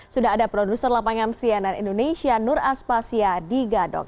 sudah ada produser lapangan cnn indonesia nur aspasya di gadok